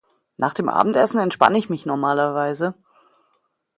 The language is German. Nach dem Abendessen entspanne ich mich normalerweise.